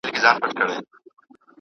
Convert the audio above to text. په څېړنه کي د وخت ضایع کول مناسب نه دي.